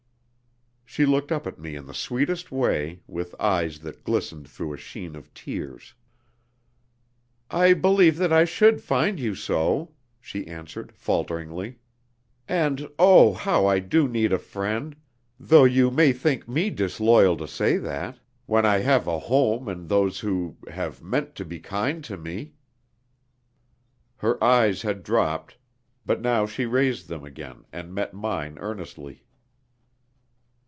She looked up at me in the sweetest way, with eyes that glistened through a sheen of tears. "I believe that I should find you so," she answered, falteringly. "And, oh, how I do need a friend though you may think me disloyal to say that, when I have a home with those who have meant to be kind to me." Her eyes had dropped, but now she raised them again and met mine earnestly.